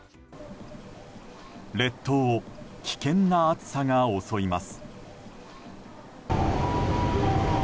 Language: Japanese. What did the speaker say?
列島を危険な暑さが襲います。